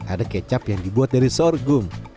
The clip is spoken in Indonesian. ada kecap yang dibuat dari sorghum